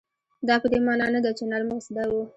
دا په دې مانا نه ده چې نرمښت زده و.